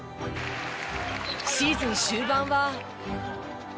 シーズン終盤は。